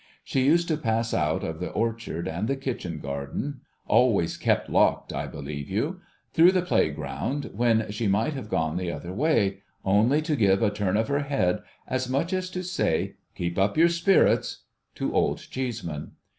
She used to pass out of the orchard and the kitchen garden (always kept locked, I believe you I) through the playground, when she miglit have gone the other way, only to give a turn of her head, as much as to say ' Keep up your sjjirits !' to Old Cheeseman.